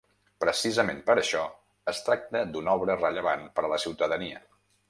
Precisament per això, es tracta d’una obra rellevant per a la ciutadania.